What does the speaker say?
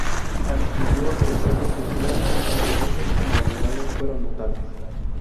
Adquirió apreciable cultura y sus defensas como abogado fueron notables.